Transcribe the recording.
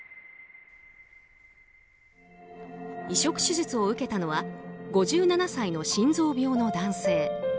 移植手術を受けたのは５７歳の心臓病の男性。